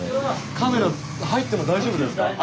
カメラ入っても大丈夫ですか？